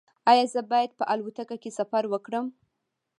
ایا زه باید په الوتکه کې سفر وکړم؟